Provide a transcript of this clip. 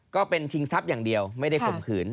ก็เป็นชิงทรัพย์อย่างเดียวไม่ได้ข่มขืน